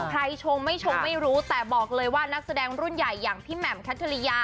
ชงไม่ชงไม่รู้แต่บอกเลยว่านักแสดงรุ่นใหญ่อย่างพี่แหม่มแคทริยา